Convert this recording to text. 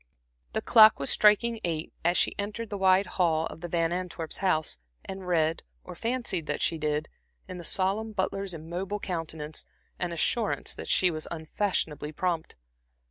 The clock was striking eight as she entered the wide hall of the Van Antwerps's house, and read, or fancied that she did, in the solemn butler's immobile countenance, an assurance that she was unfashionably prompt.